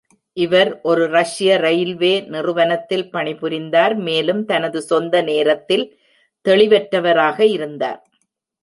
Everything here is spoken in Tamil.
இவர் ஒரு ரஷ்ய ரயில்வே நிறுவனத்தில் பணிபுரிந்தார், மேலும் தனது சொந்த நேரத்தில் தெளிவற்றவராக இருந்தார்.